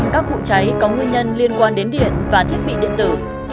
năm mươi các vụ cháy có nguyên nhân liên quan đến điện và thiết bị điện tử